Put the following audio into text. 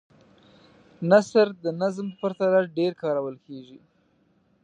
نثر د نظم په پرتله ډېر کارول کیږي.